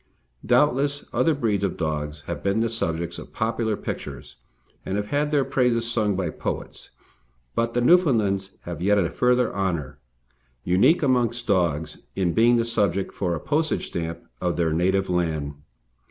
Doubtless, other breeds of dogs have been the subjects of popular pictures and have had their praises sung by poets, but the Newfoundlands have yet a further honour, unique amongst dogs, in being the subject for a postage stamp of their native land.